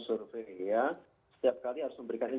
survei ya setiap kali harus memberikan